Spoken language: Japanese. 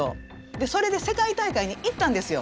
でそれで世界大会に行ったんですよ。